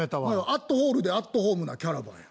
「アットホールで、アットホームなキャラバン」や。